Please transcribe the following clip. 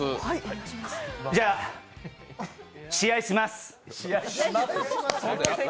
じゃ、試合します！